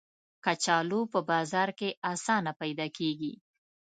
کچالو په بازار کې آسانه پیدا کېږي